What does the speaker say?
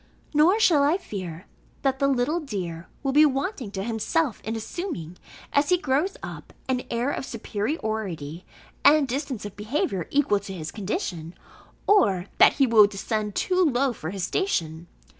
Nor shall I fear, that the little dear will be wanting to himself in assuming, as he grows up, an air of superiority and distance of behaviour equal to his condition, or that he will descend too low for his station.